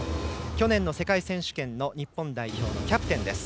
去年の世界選手権の日本代表のキャプテンです。